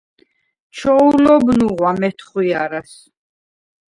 ჩოულობ ნუღვა მეთხვიარას: